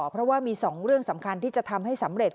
เพราะว่ามี๒เรื่องสำคัญที่จะทำให้สำเร็จ